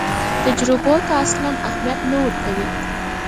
تجربو ته اصلاً اهمیت نه ورکوي.